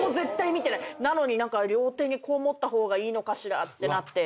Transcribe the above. なのに両手にこう持った方がいいのかしらってなって。